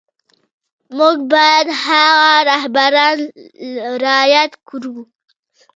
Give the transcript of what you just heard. موږ بايد هغه رهبران را ياد کړو.